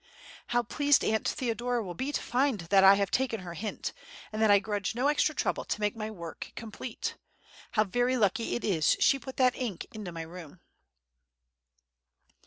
How pleased Aunt Theodora will be to find that I have taken her hint, and that I grudge no extra trouble to make my work complete! How very lucky it is that she put that ink into my room!"